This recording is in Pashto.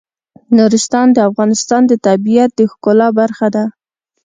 نورستان د افغانستان د طبیعت د ښکلا برخه ده.